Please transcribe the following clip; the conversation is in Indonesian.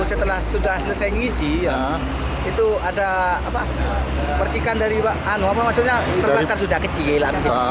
itu ada percikan dari pak anu maksudnya terbakar sudah kecil